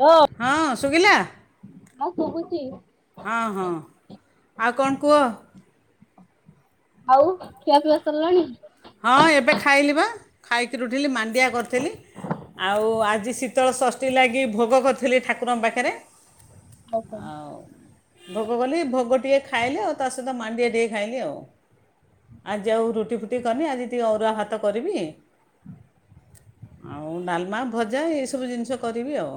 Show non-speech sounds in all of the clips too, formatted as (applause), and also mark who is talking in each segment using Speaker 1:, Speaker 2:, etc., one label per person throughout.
Speaker 1: Hello
Speaker 2: ହଁ ଶୁଗିଲା
Speaker 1: ହଁ ଶୁଭୁଛି
Speaker 2: ହଁ ହଁ ଆଉ କଣ କୁହ।
Speaker 1: ଆଉ ଖିଆ ପିଆ ସରିଲାଣି?
Speaker 2: ହଁ ଏବେ ଖାଇଲି ବା ଖାଇକିରି ଉଠିଲି ମାଣ୍ଡିଆ କରିଥିଲି ଆଉ ଆଜି ଶୀତଳ ଷଷ୍ଠୀ ଲାଗି ଭୋଗ କରିଥିଲି ଠାକୁରଙ୍କ ପାଖରେ।
Speaker 1: ହୁଁ ହୁଁ
Speaker 2: ଆଉ ଭୋଗ କଲି ଭୋଗ ଟିକେ ଖାଇଲି ଆଉ ତା ସହିତ ମାଣ୍ଡିଆ ଟିକେ ଖାଇଲି ଆଉ ଆଜି ଆଉ ରୁଟି ଫୁ ଟି କରିନି ଆଜି ଟିକେ ଅରୁଆ ଭାତ କରିବି। ଆଉ ଡାଲମା ଭଜା ଏସବୁ ଜିନିଷ କରିବି ଆଉ।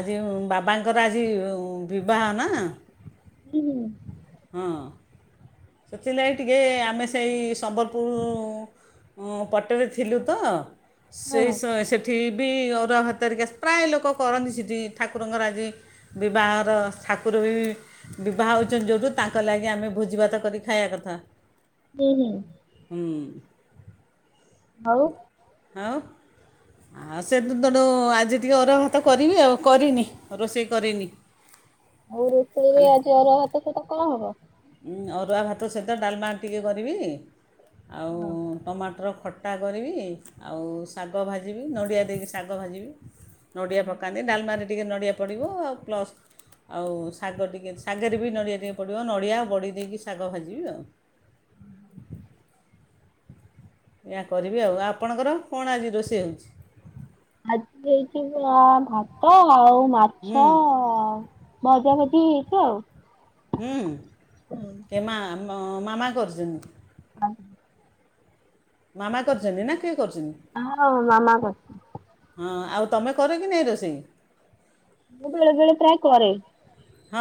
Speaker 2: ଆଜି ବାବାଙ୍କ ତାଙ୍କର ଆଜି ବିବାହ ନା।
Speaker 1: ହୁଁ ହୁଁ।
Speaker 2: ହଁ। ସେଥିଲାଗି ଟିକେ ଆମେ ସେଇ ସମ୍ବଲପୁର ଅ ପଟରେ ଥିଲୁ ତ ସେଇ ସ ସେ ସେଠି ବି ଅରୁଆ ଭାତ ହେରିକା ପ୍ରାୟ ଲୋକ କରନ୍ତି ସେଠି ଠାକୁରଙ୍କର ଆଜି ବିବାହର ଠାକୁର ବି ବିବାହ ହେଉଛନ୍ତି ଯେଉଁଠୁ ତାଙ୍କ ଲାଗି ଆମେ ଭୋଜି ଭାତ କରିକି ଖାଇବା କଥା।
Speaker 1: ହୁଁ ହୁଁ।
Speaker 2: ହୁଁ।
Speaker 1: ଆଉ
Speaker 2: ଆଉ ଆଉ ସେୁ ତେଣୁ ଆଜି ଟିକେ ଅରୁଆ ଭାତ କରିବି ଆଉ କରିନି ରୋଷେଇ କରିନି।
Speaker 1: ଆଉ ରୋଷେଇ ରେ
Speaker 2: ଖାଲି
Speaker 1: ଆଜି ଅରୁଆ ଭାତ ସହିତ କଣ ହବ?
Speaker 2: ଅୁରୁଆ ଭାତ ସହିତ ଡାଲମା ଟିକେ କରିବି। ଆଉ ଟମାଟର ଖଟା କରିବି ଆଉ ଶାଗ ଭା ଭାଜିବି ନଡ଼ିଆ ଦେଇକି ଶାଗ ଭାଜିବି। ନଡିଆ ପକାନ୍ତି ଡାଲମାରେ। ଟିକେ ନଡ଼ିଆ ପଡ଼ିବ ଆଉ ପ୍ଲସ୍ ଆଉ ଶାଗ ଟିକେ ଶାଗରେ ବି ନଡ଼ିଆ ଟିକେ ପଡ଼ିବ। ନଡ଼ିଆ ବଡ଼ି ଦେଇକି ଶାଗ ଭାଜିବି ଆଉ। ଏହା କରିବି ଆଉ ଆପଣଙ୍କର କଣ ଆଜି ରୋଷେଇ ହେଉଛି?
Speaker 1: ଆଜି ହେଇଛି ଆ ଭାତ ଆଉ-
Speaker 2: ହୁଁ
Speaker 1: ମାଛ- ଭଜା ଭଜି ହେଇଛି ଆଉ।
Speaker 2: ହୁଁ। ଏମା। ହଁ ମାମା କହୁଛନ୍ତ।
Speaker 1: (inaudible)
Speaker 2: ମାମା କର୍ଚ୍ଛ ନ୍ତି ନା କେ
Speaker 1: ହଁ ମାମା କର୍
Speaker 2: ହଁ ଆଉ ତୁମେ କର କି ନାହିଁ ରୋଷେଇ
Speaker 1: ମୁଁ ବେଳେ ବେଳେ ପ୍ରାଏ କରେ
Speaker 2: ହଁ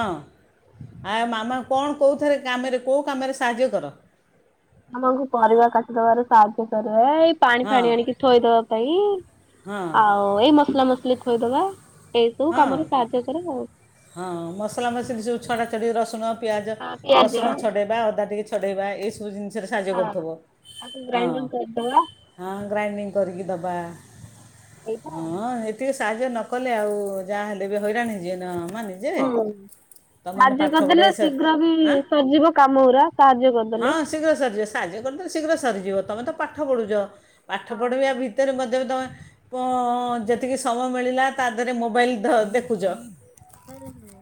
Speaker 2: ଆ ମାମା କଣ କେଉଥରେ କାମରେ କୋଉ କାମରେ ସାହାଯ୍ୟ କର
Speaker 1: ମାମାକୁ ପରିବା କାଟି ଦବାର ସାହାଯ୍ୟ କରେ ଏଇ ପାଣି
Speaker 2: ହଁ
Speaker 1: ଫାଣି ଆଣିକି ଥୋଇଦବା ପାଇଁ
Speaker 2: ହଁ
Speaker 1: ଆଉ ଏଇ ମସଲା ମସଲି ଲେଖୋଇଦବା ଏଇସବୁ
Speaker 2: ହଁ
Speaker 1: କାମରେ ସାହାଯ୍ୟ କରେ ଆଉ
Speaker 2: ଛଡ଼ା ଛଡି ରସୁଣ ପିଆଜ
Speaker 1: ହଁ ପିଆଜ
Speaker 2: ରସୁଣ ଛଡ଼େଇବା ଅଦା ଟିକେ ଛଡ଼େଇବା ଏଇସବୁ ଜିନିଷରେ ସାହାଯ୍ୟ
Speaker 1: ହଁ।
Speaker 2: କରୁଥିବ
Speaker 1: ତାକୁ
Speaker 2: ହଁ
Speaker 1: ଗ୍ରାଇଣ୍ଡର କରିଦବା
Speaker 2: ହଁ ଗ୍ରାଇଣ୍ଡିଙ୍ଗ୍ କରିକି ଦେବା।
Speaker 1: ଏଇଟା ଆଉ।
Speaker 2: ହଁ ଏତିକି ସାହଯ୍ୟ ନ କଲେ ଆଉ ହଉ ଯାହା ହେଲେ ବି ହଇରାଣ ଯିଏନା ଆଉ
Speaker 1: ହଁ, ସାହାଯ୍ୟ କରିଦେଲେ
Speaker 2: ପଢ଼ିବା ସେ
Speaker 1: ଶୀଘ୍ର ବି
Speaker 2: ଆଁ
Speaker 1: ସରିଯିବ କାମ ଗୁରା। ସାହାଯ୍ୟ
Speaker 2: ହଁ
Speaker 1: କରିଦେଲେ।
Speaker 2: ଶୀଘ୍ର ସରିଯିବ। ସାହାଯ୍ୟ କରିଦେଲେ ଶୀଘ୍ର ସରଯିବ। ତମେ ତ ପାଠ ପଢୁଛ। ପାଠ
Speaker 1: ହଁ
Speaker 2: ପଢିବା ଭିତରେ, ମଧ୍ୟ ଯେତିକି ସମୟ ମିଳିଲା ତା ଦେହରେ ମୋବାଇଲ ଦେଖୁଛ।
Speaker 1: ହୁଁ, ହୁଁ।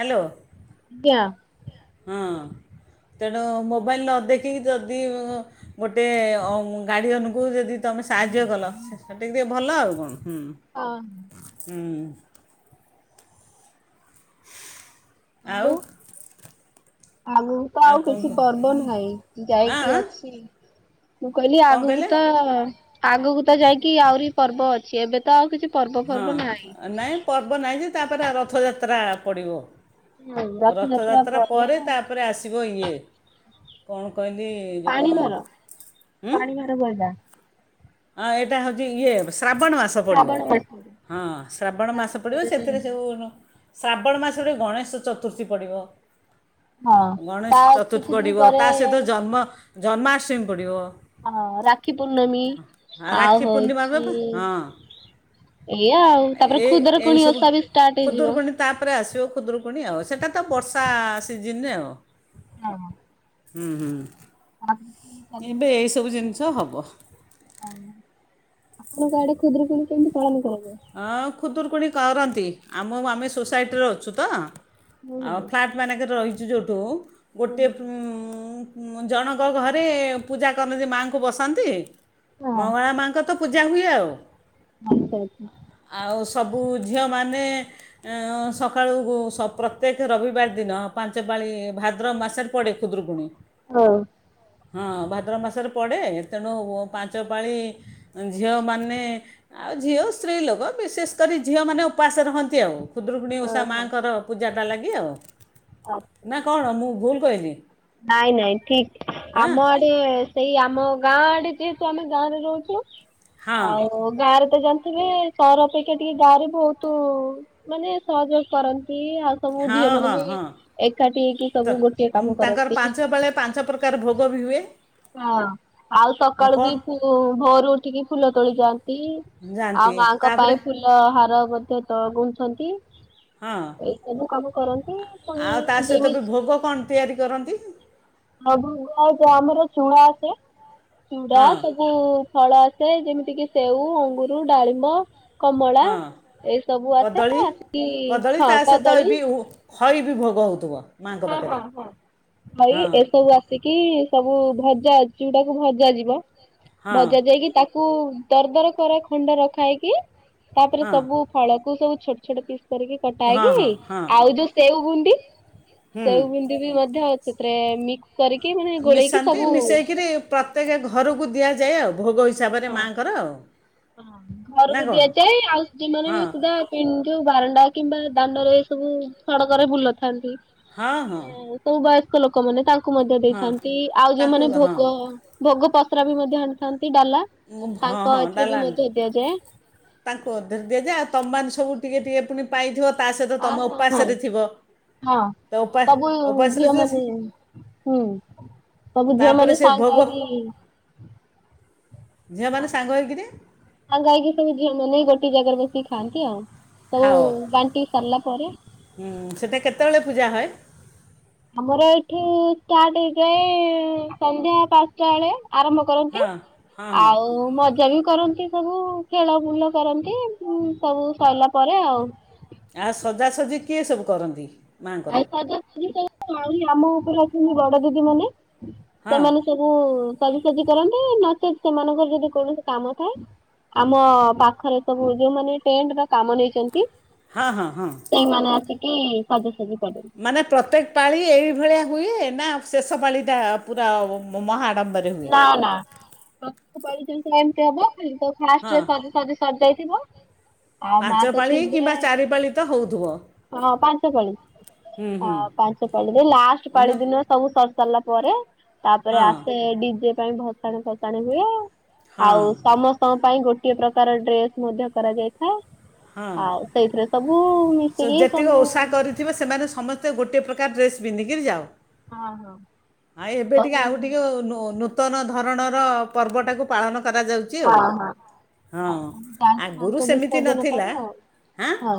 Speaker 2: ହାଲୋ।
Speaker 1: ଆଜ୍ଞା।
Speaker 2: ହଁ। ତେଣୁ, ମୋବାଇଲ ନ ଦେଖିକି ଯଦି ଗୋଟେ ଗାର୍ଡ଼ିଅନକୁ ଯଦି ତୁମେ ସାହାଯ୍ୟ କଲ ସେ (inaudible) ଭଲ ଆଉ କଣ।
Speaker 1: ହଁ
Speaker 2: ହୁଁ।
Speaker 1: ଆଉ ଆଗକୁ ତ ଆଉ
Speaker 2: କ'ଣ
Speaker 1: କିଛି
Speaker 2: କୁହ
Speaker 1: ପର୍ବ ନାହିଁ।
Speaker 2: ହଁ
Speaker 1: ଯାଇକି,
Speaker 2: ହଁ,
Speaker 1: ଅଛି ମୁଁ କହିଲି,
Speaker 2: କ'ଣ
Speaker 1: ଆଗକୁ
Speaker 2: କହିଲେ
Speaker 1: ତ ଆଗକୁ ତ ଯାଇକି ଆହୁରି ପର୍ବ ଅଛି। ଏବେ ତ ଆଉ କିଛି। ପର୍ବ
Speaker 2: ହଁ।
Speaker 1: ଫର୍ବ ନାହିଁ।
Speaker 2: ନାହିଁ ପର୍ବ ନାହିଁ ଯେ, ତାପରେ ରଥଯାତ୍ରା। ପଡ଼ିିବ ରଥଯାତ୍ରା ପରେ ତାପରେ ଆସିବ ଇଏ କଣ କହିଲି
Speaker 1: ପାଣି ଭାର
Speaker 2: ଉଁ ହଁ ଏଇଟା ହଉଛି। ଇଏ ଶ୍ରାବଣ ମାସ ପଡ଼ିବ।
Speaker 1: ଶ୍ରାବଣ ମାସରେ।
Speaker 2: ହଁ, ଶ୍ରାବଣ ମାସ ପଡ଼ିବ ସେଥିରେ ଯେଉଁ। ଶ୍ରାବଣ ମାସରେ ଗଣେଶ ଚତୁର୍ଥୀ ପଡ଼ିବ। ଗଣେଶ
Speaker 1: ତା
Speaker 2: ଚତୁର୍ଥୀ
Speaker 1: କିଛି ଦିନ
Speaker 2: ପଡିବ
Speaker 1: ପରେ
Speaker 2: ତା ସହିତ ଜନ୍ମ- ଜନ୍ମାଷ୍ଟମୀ ପଡ଼ିବ।
Speaker 1: ହଁ, ରାକ୍ଷୀ ପୂର୍ଣ୍ଣମୀ।
Speaker 2: ଆଉ ରାକ୍ଷୀ ପୂର୍ଣ୍ଣିମା। ହଁ
Speaker 1: ଏଇଆ ଆଉ ତାପରେ
Speaker 2: ଏ
Speaker 1: ଖୁଦୁରୁକୁଣୀ
Speaker 2: ଏଇସବୁ
Speaker 1: ଓଷା ବି ଷ୍ଟାର୍ଟ ହେଇଯିବ।
Speaker 2: ଖୁଦୁରୁକୁଣୀ ତାପରେ ଆସିବ ଖୁଦୁରୁକୁଣୀ ଆଉ ସେଇଟା ତ। ବର୍ଷା ସିଜିନରେ ଆଉ।
Speaker 1: ହଁ।
Speaker 2: ହୁଁ ହୁଁ। ଏବେ ଏଇ ସବୁ ଜିନିଷ ହବ।
Speaker 1: ଆପଣଙ୍କ ଆଡେ ଖୁଦୁରୁକୁୁଣୀ କେମିତି ପାଳନ କରନ୍ତି?
Speaker 2: ହଁ ଖୁଦୁରୁକୁଣୀ କରନ୍ତି। ଆମେ ସୋସାଇଟିରେ ଅଛୁ ତ।
Speaker 1: ହୁଁ
Speaker 2: ଆଉ
Speaker 1: ହୁଁ।
Speaker 2: ଫ୍ଲାଟମାନଙ୍କରେ ରହିଛୁ। (unintelligible) ଗୋଟେ ଜଣଙ୍କ ଘରେ ପୂଜା କରନ୍ତି। ମାଆଙ୍କୁ ବସାନ୍ତି। ମଙ୍ଗଳା ମାଙ୍କ ତ ପୂଜା ହୁଏ ଆଉ।
Speaker 1: ଆସ ଆଛା।
Speaker 2: ଆଉ ସବୁ ଝିଅମାନେ ସକାଳୁ ପ୍ରତ୍ୟେକ ରବିବାର ଦିନ ପାଞ୍ଚପାଳି ଭାଦ୍ର ମାସରେ ପଡ଼େ ଖୁଦୁରୁକୁଣୀ।
Speaker 1: ହଉ।
Speaker 2: ହଁ ଭାଦ୍ର ମାସରେ ପଡ଼େ। ତେଣୁ ପାଞ୍ଚପାଳି ଝିଅମାନେ ଆଉ ଝିଅ ସ୍ତ୍ରୀ ଲୋକ ବିଶେଷ କରି ଝିଅମାନେ ଉପାସ ରହନ୍ତି ଆଉ। କୁଦ୍ରୁକୁଣୀ ଓଷା
Speaker 1: ଓହୋ
Speaker 2: ମାଙ୍କର। (unintelligible) ଲାଗେ ଆଉ।
Speaker 1: ଆଚ୍ଛା।
Speaker 2: ନା କଣ ମୁଁ ଭୁଲ- ହୁଏନି।
Speaker 1: ନାଇଁ ନାଇଁ ଠିକ ଆମ ଆଡେ ସେଇ ଆ- ଆମ ଗାଁ ଆଡେ ଯେହେତୁ ଆମେ ଗାଁ ରେ ରହୁଛୁ।
Speaker 2: ହଁ
Speaker 1: ଆଉ ଗାଁ ରେ - ମତେ ଜାଣିଥିବେ ସହର ଅପେକ୍ଷା ଟିକେ ଗାଁ ରେ ବହୁତ ମାନେ ସହଯୋଗ କରନ୍ତି। ଆଉ ସବୁ
Speaker 2: ହଁ
Speaker 1: ଝିଅ ମାନେ
Speaker 2: ହଁ
Speaker 1: ବି
Speaker 2: ହଁ
Speaker 1: ଏକାଠି ହେଇକି
Speaker 2: ତ
Speaker 1: ସବୁ ଗୋଟିଏ
Speaker 2: ଉଁ,
Speaker 1: କାମ
Speaker 2: ତାଙ୍କର
Speaker 1: କରନ୍ତି।
Speaker 2: ପାଞ୍ଚ ବେଳେ ପାଞ୍ଚ ପ୍ରକାର ଭୋଗ ବି ହୁଏ
Speaker 1: ହଁ ଆଉ
Speaker 2: ହଁ
Speaker 1: ସକାଳୁ
Speaker 2: କ'ଣ
Speaker 1: ବି ଭୋରରୁ ଉଠିକି ଫୁଲ ତୋଳି ଯାଆନ୍ତି। ଆଉ
Speaker 2: ଯାଆନ୍ତି
Speaker 1: ମାଙ୍କ
Speaker 2: ତାପରେ
Speaker 1: ପାଇଁ ଫୁଲ ହାର ମଧ୍ୟ- ତ କହୁଛନ୍ତି।
Speaker 2: ହଁ
Speaker 1: ପୁଣି
Speaker 2: ଆଉ ତା ସହିତ ବି
Speaker 1: ଯେମିତି
Speaker 2: ଭୋଗ କଣ ତିଆରି କରନ୍ତି?
Speaker 1: ହଁ ଭୋଗ ଆଉ କଣ ଆମର ଚୁଡ଼ା ଘଷା ଚୁଡା
Speaker 2: ହଁ
Speaker 1: ସବୁ ଫଳ ଆସେ ଯେମିତି କିି ସେଉ, ଅଙ୍ଗୁରୁ, ଡାଳିମ୍ବ କମଳା
Speaker 2: ହଁ
Speaker 1: ଏ ସବୁ ଆସେ
Speaker 2: କଦଳୀ
Speaker 1: ଆସିକି
Speaker 2: କଦଳୀ
Speaker 1: ହଁ
Speaker 2: ତା ସହିତ
Speaker 1: କଦଳୀ
Speaker 2: ବି ଉ- ଖଇ ବି ଭୋଗ ହଉଥିବ।
Speaker 1: ହଁ ହଁ ହଁ ଖଇ ଏସବୁ ଆସିକି ସବୁ ଭଜା ଅଛି ଗୁଡାକୁ ଭଜା ଯିବ।
Speaker 2: ହଁ
Speaker 1: ଭଜା ଯାଇକି ତାକୁ କୁ ଦର ଦର କର ଖଣ୍ଡ ରଖା ହେଇକି ତାପରେ
Speaker 2: ହଁ
Speaker 1: ସବୁ ଫଳକୁ ସବୁ ଛୋଟ ଛୋଟ ପିସ୍ କରିକି କଟା
Speaker 2: ହଁ ହଁ
Speaker 1: ହେଇକି
Speaker 2: ହଁ
Speaker 1: ଆଉ ଯୋଉ ସେଉ ବୁ ନ୍ଦି
Speaker 2: ହୁଁ
Speaker 1: ସେଉ ବୁନ୍ଦି ବି ମଧ୍ୟ ସେଥିରେ ମିକ୍ସ କରିକି ମାନେ ଗୋଳେଇକି
Speaker 2: ମିଶାନ୍ତି
Speaker 1: ସବୁ
Speaker 2: ମିଶେଇକିରି ପ୍ରତ୍ୟେକ ଘରକୁ ଦିଆ ଯାଏ ଆଉ ଭୋଗ ହି
Speaker 1: ହଁ ହଁ
Speaker 2: ନା
Speaker 1: ଘରକୁ
Speaker 2: କ'ଣ
Speaker 1: ଦିଆଯାଏ। ଆଉ ଦିନରେ ବି
Speaker 2: ହଁ
Speaker 1: ସୁଦ୍ଧା ପିନ୍ଧୁ ବାରଣ୍ଡା କିମ୍ବା ଦାଣ୍ଡରେ ଏ ସବୁ ସଡ଼କରେ ବୁଲଥାନ୍ତି।
Speaker 2: ହଁ ହଁ
Speaker 1: ସେ ସବୁ ବା ତାଙ୍କ ଲୋକମାନେ ତାଙ୍କ ଙ୍କୁ ମଧ୍ୟ
Speaker 2: ହଁ
Speaker 1: ଦେଇଥାନ୍ତି ଆଉ
Speaker 2: ତାଙ୍କୁ
Speaker 1: ଯୋଉମାନେ
Speaker 2: ହଁ
Speaker 1: ଭୋଗ ଭୋଗ ତ୍ରା ବି ମଧ୍ୟ ଆଣିଥାନ୍ତି ଡାଲା
Speaker 2: ମୁଁ ଭ
Speaker 1: ତାଙ୍କ
Speaker 2: ହଁ
Speaker 1: ଏଥିରେ ବି
Speaker 2: ଡାଲା ଆଣି
Speaker 1: ମଧ୍ୟ ଦିଆଯାଏ
Speaker 2: ତାଙ୍କୁ ଅଧର ଦିଆଯାଏ ଆଉ ତମେ ସ ସବୁ ଟିକେ ଟିକେ ପୁଣି ପାଇଥିବ ତ
Speaker 1: ଅହୋ ହଁ ହଁ
Speaker 2: ତ ଉପାସ
Speaker 1: ସବୁ
Speaker 2: ଉପାସରେ
Speaker 1: ଝିଅ
Speaker 2: ଥିଲେ
Speaker 1: ମାନେ ହୁଁ ସବୁ ଝିଅ
Speaker 2: ତାପରେ
Speaker 1: ମାନେ
Speaker 2: ସେ
Speaker 1: ସାଙ୍ଗ
Speaker 2: ଭୋଗ
Speaker 1: ହେଇକି
Speaker 2: ଝିଅମାନେ ସାଙ୍ଗ ହେଇକିରି
Speaker 1: ସାଙ୍ଗ ହେଇକି ସବୁ ଝିଅ ମାନେ ଗୋ ଟେ ଜାଗାରେ ବସିକି ଖାଆନ୍ତି ଆଉ। ସବୁ
Speaker 2: ଖାଅ
Speaker 1: ବାଣ୍ଟିି ସାରିଲା ପରେ
Speaker 2: ହୁଁ, ସେଟା କେତେବେଳେ ପୂଜା ହଏ?
Speaker 1: ଆମର ଏଠି ଷ୍ଟାର୍ଟ ହେଇଯାଏ ସନ୍ଧ୍ୟା ପାଞ୍ଚଟା ବେଳେ ଆରମ୍ଭ କରନ୍ତି
Speaker 2: ହଁ ହଁ ହଁ
Speaker 1: ଆଉ ମଜା ବି କରନ୍ତି। ସବୁ ଖେଳ ବୁଲ କରନ୍ତି ଏମ୍ ସବୁ ସରିଲା ପରେ ଆଉ।
Speaker 2: ଆ ସଜାସଜି କିଏ ସବୁ କରନ୍ତି? ମାଆଙ୍କର
Speaker 1: ଆଉ ସଜାସଜି ଆଉ ଆମ ଉପରେ ତମ ବଡ ଦିଦି ମାନେ।
Speaker 2: ହଁ
Speaker 1: ସେମାନେ ସବୁ ସଜିସଜି କରନ୍ତି ନଚେତ୍ ସେମାନଙ୍କର ଯଦି କୌଣସି କାମ ଥାଏ। ଆମ ପାଖରେ ସବୁ ଯୋଉମାନେ ଟେଣ୍ଟ ବା କାମ ନେଇଛନ୍ତି।
Speaker 2: ହଁ ହଁ ହଁ।
Speaker 1: ଇ ସବୁ।
Speaker 2: ମାନେ ପ୍ରତ୍ୟେକ ପାଳି ଏଇଭଳିଆ ହୁଏ। ନା ଶେଷ ପାଳି ଟା ପୁରା ମହାଆଡ଼ମ୍ୱର
Speaker 1: ନା ନା। ସେମିତି କେମିତି ହବ। ତ ଫାଷ୍ଟ
Speaker 2: ହଁ
Speaker 1: ରେ ସଜ ସଜି ସଜାଇ ଥିବ। ଆଉ ମା
Speaker 2: ପାଞ୍ଚ
Speaker 1: ତ
Speaker 2: ପାଳି
Speaker 1: ଥିବେ।
Speaker 2: କିମ୍ବା ଚାରି ପାଳି ତ ହେଉଥିବ
Speaker 1: ହଁ ପାଞ୍ଚ ପାଳି
Speaker 2: ହୁଁ ହୁଁ
Speaker 1: ହଁ ପାଞ୍ଚ ପାାଳିରେ ଲାଷ୍ଟ ପାଳି
Speaker 2: ନା
Speaker 1: ଦିନ ସବୁ ସରିଲା ପରେ। ତାପରେ
Speaker 2: ହଁ
Speaker 1: ଆସେ ଜ ପାଇଁ ଭସାଣି ଭସାଣି ହୁଏ।
Speaker 2: ହଁ
Speaker 1: ଆଉ ସମସ୍ତଙ୍କ ପାଇଁ ଗୋ କେତେ ପ୍ରକାର ଡ୍ରେସ ମଧ୍ୟ କରାଯାଇଥାଏ।
Speaker 2: ହଁ
Speaker 1: ଆଉ ସେଇଥିରେ ସବୁ ମିଶିକି
Speaker 2: ଯେତିକି
Speaker 1: ସବୁ
Speaker 2: ଓଷା କରିଥିବେ ସେମାନେ ସମସ୍ତେ ଗୋଟେ ପ୍ରକା ଏକା ଡ୍ରେସ୍ ପନ୍ଧିକି ଯାଅ। ଆଁ ଏବେ ଟିକେ
Speaker 1: ସବୁ
Speaker 2: ଆଉ ଟିକେ ନୋ ନୋ ନୂତନ ଧରଣର ପର୍ବଟାକୁ ପାଳନ କରା ଯାଉଚି ଆଉ।
Speaker 1: ହଁ ହଁ।
Speaker 2: ହଁ
Speaker 1: ଯାଆନ୍ତି
Speaker 2: ଆଗରୁ
Speaker 1: ମାଙ୍କ
Speaker 2: ସେମିତି
Speaker 1: ବିସର୍ଜନ
Speaker 2: ନଥି ଥିଲା
Speaker 1: ପାଇଁ ଆଉ
Speaker 2: ଆଁ
Speaker 1: ହଁ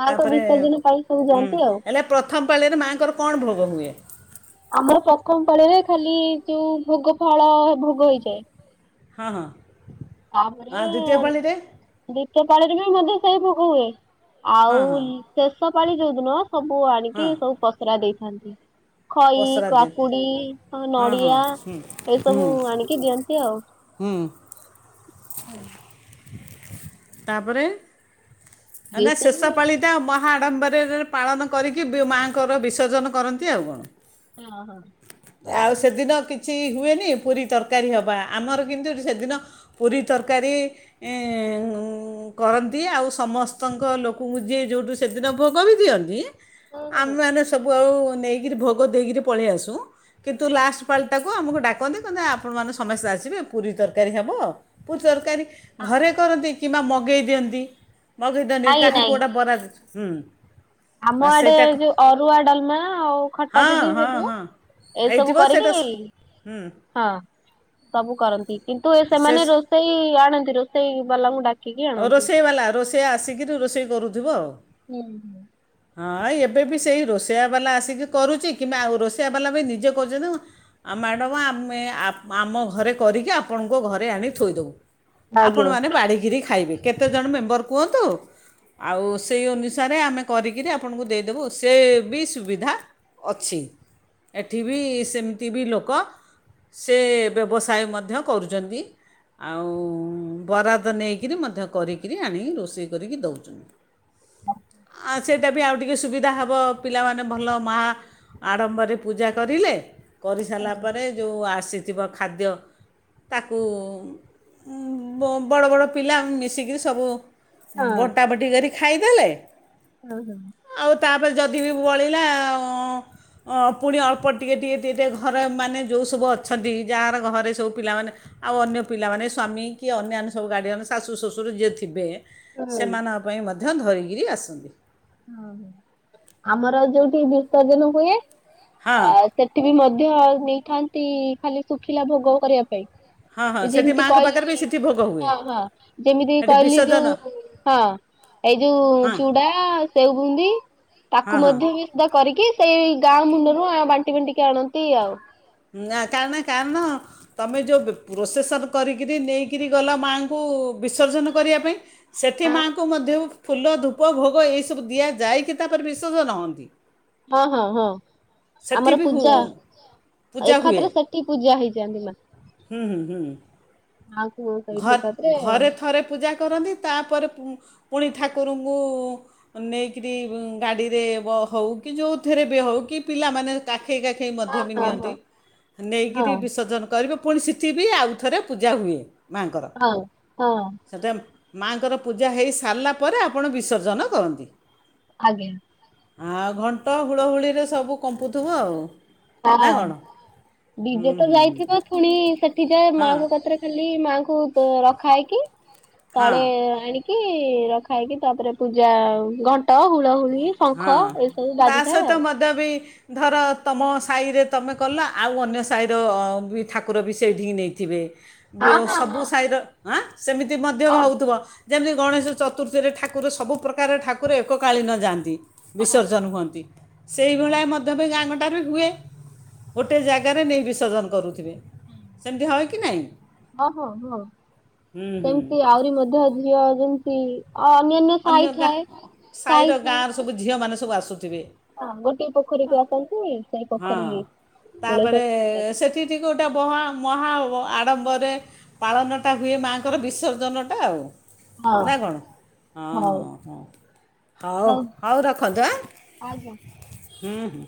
Speaker 1: ମାଙ୍କ
Speaker 2: ତାପରେ
Speaker 1: ବିସର୍ଜନ ପାଇଁ ସବୁ
Speaker 2: ହୁଁ
Speaker 1: ଯାଆନ୍ତି ଆଉ।
Speaker 2: ହେଲେ ପ୍ରଥମ ପାଳି ରେ ମା ଙ୍କର କଣ ଭୋ ଭୋଗ ହୁଏ।
Speaker 1: ଆମର ପ୍ରଥମ ପାଳିରେ ଖାଲି ଯୋଉ ଭୋଗ ଫଳ ଭୋଗ ହେଇଯାଏ।
Speaker 2: ହଁ ହଁ। ଆଉ
Speaker 1: ତାପରେ
Speaker 2: ଦ୍ୱିତୀୟ ପାଳିରେ
Speaker 1: ଦି ତିୟ ପାଳିରେ ବି ମଧ୍ୟ ସେଇ ଭୋଗ ହୁଏ।
Speaker 2: ହଁ
Speaker 1: ଆଉ
Speaker 2: ହଁ
Speaker 1: ଲ ସେସବ ପାଳି ଯଉଦିନ ସବୁ ଆଣିକି
Speaker 2: ହଁ
Speaker 1: ସବୁ ପସରା ଦେଇି ହିଁ ଜି। ଖଇ,
Speaker 2: ପସରା ଦିନ
Speaker 1: କାକୁଡି,
Speaker 2: ହଁ ହଁ
Speaker 1: ନଡିଆ
Speaker 2: ହୁଁ ହୁଁ
Speaker 1: ଏସବୁ ଆଣିକି ଦିଅନ୍ତି ଆଉ।
Speaker 2: ହୁଁ
Speaker 1: ହୁଁ।
Speaker 2: ତାପରେ।
Speaker 1: ଏଇ
Speaker 2: (unintelligible) ଶେଷ
Speaker 1: ସବୁ
Speaker 2: ପାଳି ଟା ମହାଆଡ଼ମ୍ବର (unintelligible) ପାଳନ କରିକି ମାଆଙ୍କର ବିସର୍ଜନ କରନ୍ତି ଆଉ କଣ।
Speaker 1: ହଁ ହଁ।
Speaker 2: ଆଉ ସେଦିନ କିଛି ହୁଏନି, ପୁରୀ ତରକାରୀ ହେବା, ଆମର କିନ୍ତୁ ସେଦିନ ପୁରୀ ତରକାରୀ ଇଁ କରନ୍ତି, ଆଉ ସମସ୍ତଙ୍କ ଲୋକଙ୍କୁ ଯିଏ ଯେଉଁଠୁ ସେଦିନ ଭୋଗ ବି ଦିଅନ୍ତି।
Speaker 1: ହଁ ହଁ
Speaker 2: ଆମେମାନେ ସବୁ ଆଉ ନେଇକିରି ଭୋଗ ଦେଇକିରି ପଳେଇ ଆସୁ କିନ୍ତୁ ଲାଷ୍ଟ ପାଳି ଟାକୁ ଆମକୁ ଡାକନ୍ତି କହନ୍ତି, ଆପଣମାନେ ସମସ୍ତେ ଆସିବେ ପୁରୀ ତରକାରୀ ହବ ପୁରୀ ତରକାରୀ ଘରେ କରନ୍ତି କିମ୍ବା ମଗେଇ ଦିଅନ୍ତି। ମଗେଇ ଦିଅନ୍ତି
Speaker 1: ନାଇଁ
Speaker 2: କାହା
Speaker 1: ନାଇଁ
Speaker 2: କୋଉଟା ବରାଦ ହୁଁ।
Speaker 1: ଆମ ଆଡେ
Speaker 2: ସେଇଟା
Speaker 1: ଯୋଉ ଅରୁଆ ଡାଲମା ଆଉ ଖଟା
Speaker 2: ହଁ
Speaker 1: ଦିଦି
Speaker 2: ହଁ
Speaker 1: ସେଠ (unintelligible) ହୁଏ।
Speaker 2: ହଁ
Speaker 1: ଏସବୁ
Speaker 2: ହେଇଥିବ
Speaker 1: କରିକି,
Speaker 2: ସେଇଟା ହୁଁ
Speaker 1: ହଁ ସବୁ କରନ୍ତି। କିନ୍ତୁ
Speaker 2: ସେ
Speaker 1: ସେମାନେ ରୋଷେଇ ଆଣନ ରୋଷେଇ ବାଲାଙ୍କୁ ଡାକ୍
Speaker 2: ଆଉ ରୋଷେଇ ବାଲା, ରୋଷେଇଆ ଆସିକିରି ରୋଷେଇ କରୁଥିବ ଆଉ। ହଁ ଏବେ ବି ସେଇ ରୋଷେଇଆବାଲା ଆସିକି କରୁଛି, କିମ୍ବା ଆଉ ରୋଷେଇଆ ବାଲା ବି ନିଜେ କରୁଛନ୍ତି। ଆଉ ମ୍ୟାଡ଼ମ ଆମେ ଆମ ଘରେ କରିକି ଆପଣଙ୍କ ଘରେ ଆଣି ଥୋଇଦବୁ। ଆପଣ
Speaker 1: ଆଜ୍ଞା।
Speaker 2: ମାନେ ବାଢ଼ିକିରି କେତେ ଜଣ ମେମ୍ବର କୁହନ୍ତୁ, ଆଉ ସେଇ ଅନୁସାରେ ଆମେ କରିକରି ଆପଣଙ୍କୁ ଦେଇଦେବୁ। ସେ ବି ସୁବିଧା ଅଛି ଏଠି ବି ସେମିତି ବି ଲୋକ ସେ ବ୍ୟବସାୟ ମଧ୍ୟ କରୁଛନ୍ତି। ଆଉ ବରାଦ ନେଇ କିରି ମଧ୍ୟ କରିକ ଆଣି ରୋଷେଇ କରିକି ଦଉଛନ୍ତି। ଆ ସେଇଟା ବି ଆଉ ଟିକଏ ସୁବିଧା ହେବ ପିଲାମାନେ ଭଲ ମା ଆଡ଼ମ୍ବରେ ପୂଜା କରିଲେ କରିସାରିଲା ପରେ ଯୋଉ ଆସ୍ ଆସିଥିବା ଖାଦ୍ୟ ତାକୁ ବଡ଼ ବଡ଼ ପିଲା ମିଶିକିରି ସବୁ ବଡ଼ା ବଡ଼ି କରିି ଖାଇଦେଲେ।
Speaker 1: ହୁଁ ହୁଁ।
Speaker 2: ଆଉ ତା'ପରେ ଯଦି ବି ବଳିଲା ପୁଣି ଅଳ୍ପ, ଟିକେ ଟିକେ ଟିକେ ଟିକେ ଘରେ ମାନେ ଯୋଉ ସବୁ ଅଛନ୍ତି। ଯାହାର ଘରେ ସବୁ ପିଲାମାନେ ଆଉ ଅନ୍ୟ ପିଲାମାନେ ସ୍ବାମୀ କି ଅନ୍ୟାନ୍ୟ ସବୁ ଗାଡିଅନ୍ ଶାଶୁ ଶ୍ୱଶୁର ଯିଏଥିବେ ସେମାନଙ୍କ ପାଇଁ ମ ମଧ୍ୟ ଧରିକିରି ଆସନ୍ତି।
Speaker 1: ଓହୋ ଆମର ଯୋଉଠି ବିସର୍ଜନ ହୁଏ
Speaker 2: ହଁ
Speaker 1: ଆ ସେଠି ବି ମଧ୍ୟ ଆଉ ନେଇ ଥାନ୍ତି ଖାଲି ଶୁଖିଲା ଭୋଗ କରିବା ପାଇଁ।
Speaker 2: ହଁ ହଁ
Speaker 1: ଏଇ
Speaker 2: ସେଠି
Speaker 1: ଯେମିତି
Speaker 2: ମାଆଙ୍କ
Speaker 1: କହିଲି
Speaker 2: ପାଖରେ ବି ସେଠି ଭୋଗ ହୁଏ
Speaker 1: ହଁ ହଁ ଯେମିତି
Speaker 2: ସେଠି
Speaker 1: କହିଲି
Speaker 2: ବିସର୍ଜନ
Speaker 1: ଯୋଉ ହଁ ଏଇ ଯୋଉ
Speaker 2: ହଁ
Speaker 1: ଚୁଡା ସେଉ ବୁନ୍ଦୀ
Speaker 2: ହଁ
Speaker 1: ତାକୁ
Speaker 2: ହଁ
Speaker 1: ମଧ୍ୟ ବି ସୁଧା କରିକି ସେଇ ଗାଁ ମୁଣ୍ଡରୁ ଆଁ ବାଣ୍ଟି ବାଣ୍ଟିକି ଆଣନ୍ତି ଆଉ।
Speaker 2: ନା କାରଣ କାରଣ ତମେ ଯୋଉ ବ-ବ ପ୍ରୋସେସନ୍ କରିକିରି ନେଇକିରି ଗଲ ମାଆଙ୍କୁ ବିସର୍ଜନ କରିବା ପାଇଁ ସେଠି
Speaker 1: ହଁ
Speaker 2: ମାଆଙ୍କୁ ମଧ୍ୟ ଫୁଲ ଧୂପ ଭୋଗ ଏଇସବୁ ଦିଆଯାଇକି ତାପରେ ବିସର୍ଜନ ହଅନ୍ତି?
Speaker 1: ହଁ ହଁ ହଁ
Speaker 2: ସେଠି
Speaker 1: ଆମର
Speaker 2: ବି
Speaker 1: ପୂଜା
Speaker 2: ହୁ- ପୂଜା ହୁଏ
Speaker 1: ଏଖାତ୍ରେ ସେଠି ପୂଜା ହେଇଯାନ୍ତି ମା। ମାଙ୍କୁ ସେଇଠି ଏକାଥରେ ହଁ
Speaker 2: ଘର୍-ଘରେ ଥରେ ପୂଜା କରନ୍ତି ତାପରେ ପୁ ପୁଣି ଠାକୁରୁଙ୍କୁ ନେଇକିରି ଗାଡ଼ିରେ ବ ହୋଉ କି ଯୋଉଥେରେ ବି ହୋଉ କି ପିଲାମାନେ କାଖ୍ ଖେଇ କାଖେଇ ମଧ୍ୟ ବି
Speaker 1: ହଁ
Speaker 2: ନିଅନ୍ତି।
Speaker 1: ହଁ ହଁ।
Speaker 2: ନେଇକିରି ବିସର୍ଜନ କରିବେ ପୁଣି ସିଠି ବି ଆଉଥରେ ପୂଜା ହୁଏ। ମାଙ୍କର ସେଠେମ୍ ମାଙ୍କର ପୂଜା ହୋଇସାରିଲା ପରେ ଆପଣ ବିସର୍ଜନ କରନ୍ତି।
Speaker 1: ଆଜ୍ଞା।
Speaker 2: ଆଉ ଘଣ୍ଟ ହୁଳହୁଳିରେ ସବୁ କମ୍ପୁଥିବ ଆଉ।
Speaker 1: ହଁ
Speaker 2: ନା କ'ଣ
Speaker 1: ଡି
Speaker 2: ହୁଁ
Speaker 1: ଜେ ତ
Speaker 2: ହୁଁ
Speaker 1: ଯାଇଥିବ ପୁଣି ସେଠି ଯା
Speaker 2: ହଁ
Speaker 1: ମାଙ୍କ କାତରେ ଖାଲି ମାକୁ ତୁ ତ ରଖା ହେଇକି ପାଣୀ
Speaker 2: ହଁ
Speaker 1: ଆଣି କି ରଖା ହେଇକି ତାପରେ ପୂଜା ଘଣ୍ଟ ହୁଳ ହୁଳି
Speaker 2: ହଁ
Speaker 1: ଶଙ୍ଖ ଏସବୁ
Speaker 2: ତା
Speaker 1: ବାଜିଥାଏ
Speaker 2: ସହିତ
Speaker 1: ଆଉ।
Speaker 2: ମଧ୍ୟ ବି ଧର ତମ ସାହିରେ ତମେ କଲ ଆଉ ଅନ୍ୟ ସାହିର ଅ ବି ଠାକୁର ବି ସେଇଠିକି ନେଇଥିବେ। ବେଓ ସବୁ ସାହିର ଆଁ ସେମିତି ମଧ୍ୟ ଭାବୁଥବ। ଯେମିତି ଗଣେଶ ଚତୁର୍ଥୀରେ ଠାକୁର ସବୁପ୍ରକାର ଠାକୁର ଏକକାଳୀନ ଯାଆନ୍ତି। ବିସର୍ଜନ ହୁଅନ୍ତି। ସେଇଭଳିଆ ମଧ୍ଯ ବି ଗାଁ ଗ ଣ୍ଡାରେ ହୁଏ। ଗୋଟେ ଜାଗାରେ ନେଇ ବିସର୍ଜନ କରୁ
Speaker 1: ହଁ ହଁ ହଁ
Speaker 2: ହୁଁ ହୁଁ
Speaker 1: ସେମତି ଆହୁରି ମଧ୍ୟ ଝିଅ ଯେ ମିତି
Speaker 2: ଅନ୍ୟ ଗାଁ ସାହିର ଗାଁ ର ସବୁ ଝିଅ ମାନେ ସବୁ ଆ
Speaker 1: ହଁ ଗୋଟିଏ ପୋଖରୀକୁ ଆସନ୍ତି। ସେଇ
Speaker 2: ହଁ
Speaker 1: ପୋଖରୀ କୂଳେ ସବୁ
Speaker 2: ତାପରେ
Speaker 1: ପୂଜା କର
Speaker 2: ସେଠି ଟିକେ ଗୋଟେ ମହା ମହା ଆଡମ୍ବରେ ପାଳନ ଟା ହୁଏ ମାଙ୍କର ବିସର୍ଜନ ଟା ଆଉ। ନାଁ କଣ। ହଁ
Speaker 1: ହଉ।
Speaker 2: ହଁ ହଁ ହଉ ହଉ ରଖନ୍ତୁ ଆ ହୁଁ ହୁଁ।